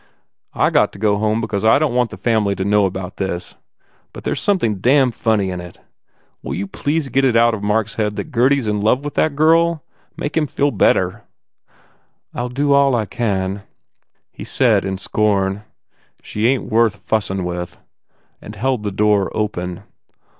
I got to go home be cause I don t want the family to know about this. But there s something damn funny in it. Will you please get it out of Mark s head that Gurdy s in love with that girl? Make him feel better." "I ll do all I can/? He said in scorn, "She ain t worth fussin with," and held the door open.